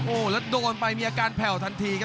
โอ้โหแล้วโดนไปมีอาการแผ่วทันทีครับ